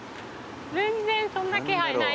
全然そんな気配ないけど。